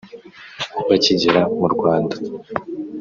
Bakigera mu Rwanda